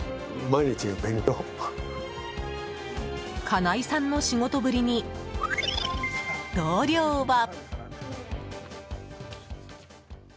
金井さんの仕事ぶりに同僚は。